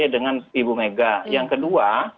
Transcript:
dengan ibu mega yang kedua